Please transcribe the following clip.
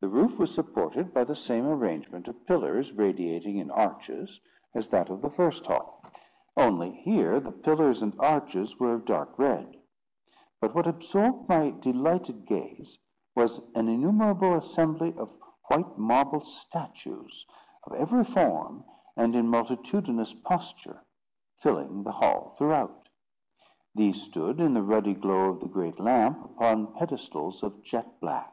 The roof was supported by the same arrangement of pillars radiating in arches, as that of the first hall; only, here, the pillars and arches were of dark red. But what absorbed my delighted gaze, was an innumerable assembly of white marble statues, of every form, and in multitudinous posture, filling the hall throughout. These stood, in the ruddy glow of the great lamp, upon pedestals of jet black.